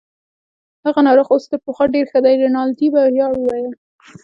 هغه ناروغ اوس تر پخوا ډیر ښه دی. رینالډي په ویاړ وویل.